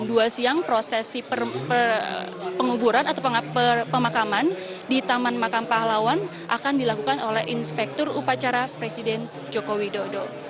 pukul dua siang prosesi penguburan atau pemakaman di taman makam pahlawan akan dilakukan oleh inspektur upacara presiden joko widodo